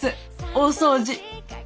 大掃除。